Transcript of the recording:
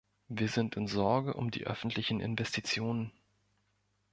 Wir sind in Sorge um die öffentlichen Investitionen.